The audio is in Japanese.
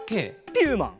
ピューマン？